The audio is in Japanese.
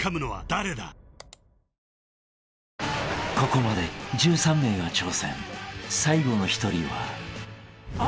［ここまで１３名が挑戦最後の１人は］